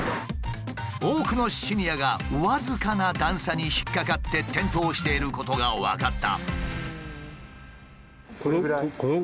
多くのシニアが僅かな段差に引っ掛かって転倒していることが分かった。